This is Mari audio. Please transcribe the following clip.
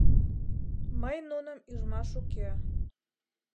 Мый нуным ӱжмаш уке.